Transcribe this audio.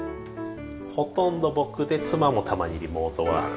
ほとんど僕で妻もたまにリモートワーク。